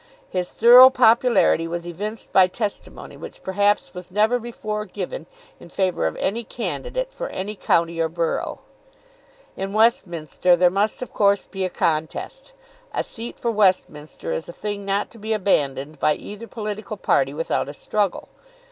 His thorough popularity was evinced by testimony which perhaps was never before given in favour of any candidate for any county or borough. In Westminster there must of course be a contest. A seat for Westminster is a thing not to be abandoned by either political party without a struggle.